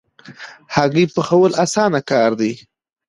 هګۍ پخول اسانه کار دی